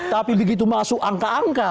tapi begitu masuk angka angka